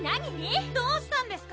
どうしたんですか？